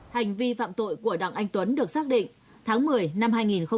hành vi phạm tội của đặng anh tuấn được xác định tháng một mươi năm hai nghìn một mươi bảy